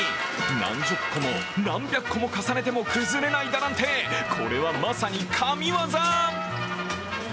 何十個も何百個も重ねても、崩れないだなんてこれはまさに神業！